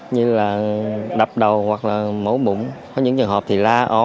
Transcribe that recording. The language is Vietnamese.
như là đập đầu hoặc là mổ bụng có những trường hợp thì la ó